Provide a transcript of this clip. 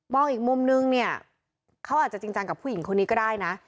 อีกมุมนึงเนี่ยเขาอาจจะจริงจังกับผู้หญิงคนนี้ก็ได้นะ